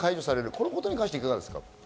このことに関していかがですか？